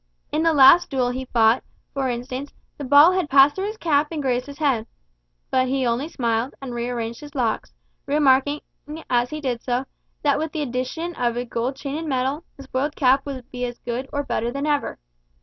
In the last duel he fought, for instance, the ball had passed through his cap and grazed his head. But he only smiled, and re arranged his locks, remarking, while he did so, that with the addition of a gold chain and medal, the spoiled cap would be as good, or better than ever.